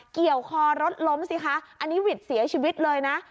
เกี่ยวคอรถล้มสิคะอันนี้หวิดเสียชีวิตเลยนะ